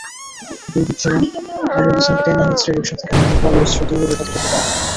দুর্বৃত্তরা আবুল হাসানকে টেনেহিঁচড়ে রিকশা থেকে নামিয়ে ধারালো অস্ত্র দিয়ে এলোপাতাড়ি কোপায়।